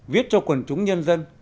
viết cho quần chúng nhân dân